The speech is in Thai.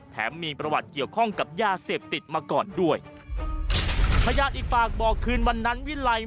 มีประวัติเกี่ยวข้องกับยาเสพติดมาก่อนด้วยพยานอีกปากบอกคืนวันนั้นวิลัย